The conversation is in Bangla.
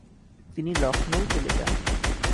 তিনি লখনউ চলে যান।